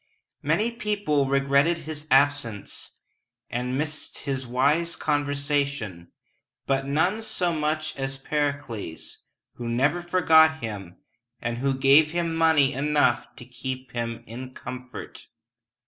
Many people regretted his absence, and missed his wise conversation, but none so much as Pericles, who never forgot him, and who gave him money enough to keep him in comfort.